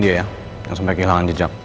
di raya sampai kehilangan jejak